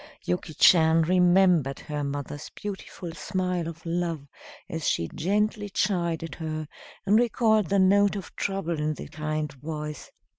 Yuki Chan remembered her mother's beautiful smile of love as she gently chided her, and recalled the note of trouble in the kind voice.